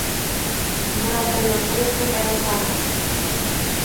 Durante los tres primeros álbumes